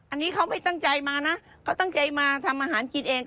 อันนี้เขาไม่ตั้งใจมานะเขาตั้งใจมาทำอาหารกินเอง